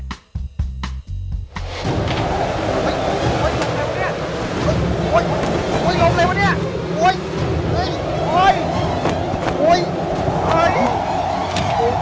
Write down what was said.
โอ้โห